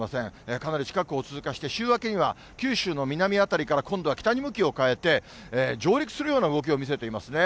かなり近くを通過して、週明けには、九州の南辺りから、今度は北に向きを変えて、上陸するような動きを見せていますね。